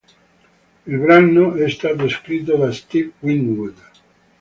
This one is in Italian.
Il brano è stato scritto da Steve Winwood.